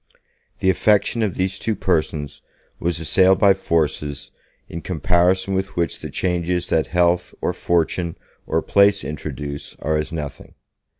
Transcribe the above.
The affection of these two persons was assailed by forces in comparison with which the changes that health or fortune or place introduce are as nothing.